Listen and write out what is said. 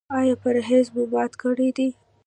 ایا پرهیز مو مات کړی دی؟